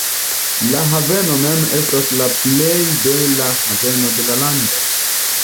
La haveno mem estas la plej bela haveno de la lando.